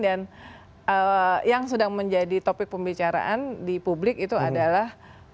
dan yang sudah menjadi topik pembicaraan di publik itu adalah